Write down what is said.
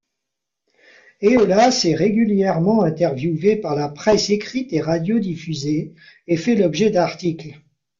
Eolas est régulièrement interviewé par la presse écrite et radiodiffusée, et fait l'objet d'articles.